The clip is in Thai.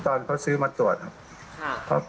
ตอนเขาซื้อมาตรวจครับ